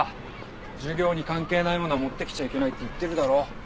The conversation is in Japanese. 授業に関係ないものは持ってきちゃいけないって言ってるだろ。